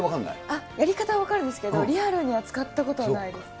あっ、やり方は分かるんですけど、リアルには使ったことはないです。